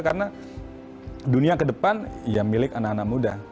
karena dunia ke depan ya milik anak anak muda